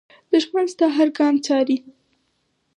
دښمن ستا هر ګام څاري